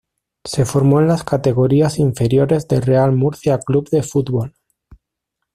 Se formó en las categorías inferiores del Real Murcia Club de Fútbol.